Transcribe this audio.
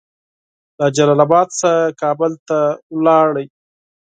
له جلال اباد څخه کابل ته ولاړ.